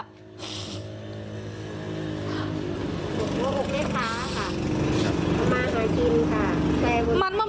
ก็มาถ่อยกินค่ะ